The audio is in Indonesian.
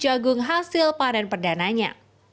jagung hasil panen perdanaannya